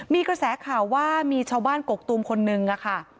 มีกระแสข่าวว่ามีชาวบ้านกกตูมคนนึงค่ะ